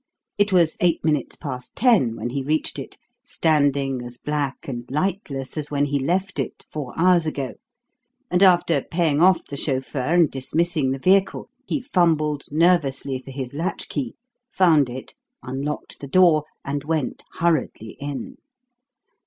It was eight minutes past ten when he reached it, standing as black and lightless as when he left it four hours ago, and, after paying off the chauffeur and dismissing the vehicle, he fumbled nervously for his latchkey, found it, unlocked the door, and went hurriedly in.